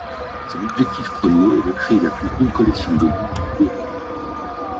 Son objectif premier est de créer la plus grande collection de bambous d’Europe.